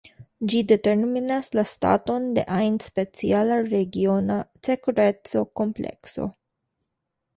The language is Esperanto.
Ĝi determinas la staton de ajn speciala regiona sekureco-komplekso.